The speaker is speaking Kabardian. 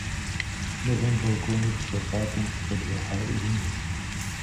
Мы гъэм балконыр пщэфӏапӏэм къыхэдгъэхьэжынущ.